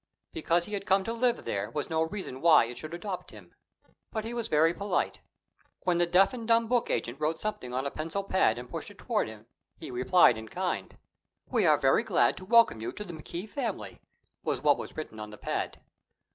Because he had come to live there was no reason why it should adopt him. But he was very polite. When the deaf and dumb book agent wrote something on a pencil pad and pushed it toward him, he replied in kind. "We are very glad to welcome you to the McKee family," was what was written on the pad.